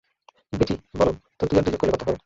বেটি, বলো তো দুই আর দুই যোগ করলে কত হয়?